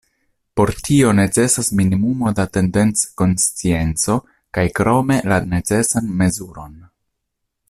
Por tio necesas minimumo da tendenc-konscienco kaj krome la necesan mezuron.